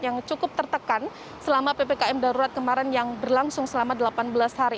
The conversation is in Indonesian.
yang cukup tertekan selama ppkm darurat kemarin yang berlangsung selama delapan belas hari